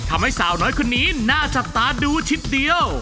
ทำให้สาวน้อยคนนี้น่าจับตาดูชิดเดียว